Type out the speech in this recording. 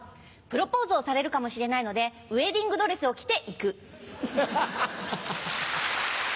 プロポーズをされるかもしれないのでウエディングドレスを着て行く。